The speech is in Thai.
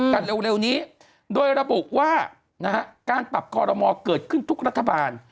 กันเร็วนี้โดยระบุว่านะฮะการปรับคอรมอเกิดขึ้นทุกรัฐบาล